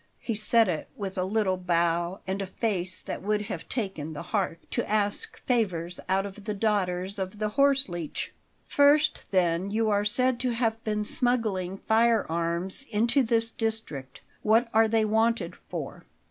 He said it with a little bow, and a face that would have taken the heart to ask favours out of the daughters of the horse leech. "First, then, you are said to have been smuggling firearms into this district. What are they wanted for?"